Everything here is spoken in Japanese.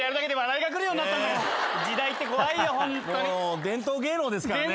もう伝統芸能ですからね。